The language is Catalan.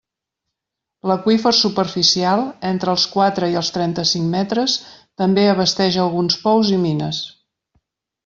L'aqüífer superficial, entre els quatre i els trenta-cinc metres, també abasteix alguns pous i mines.